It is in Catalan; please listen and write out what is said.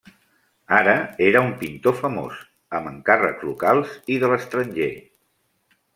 Ara era un pintor famós, amb encàrrecs locals i de l'estranger.